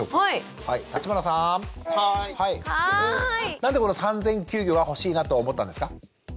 なんでこの産前休業が欲しいなと思ったんですか？